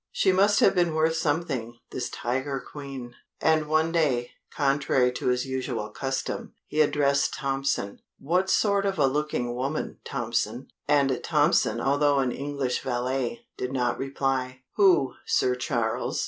She must have been worth something this tiger Queen. And one day, contrary to his usual custom, he addressed Tompson: "What sort of a looking woman, Tompson?" And Tompson, although an English valet, did not reply, "Who, Sir Charles?"